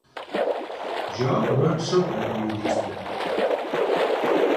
Jo no en sóc, de periodista.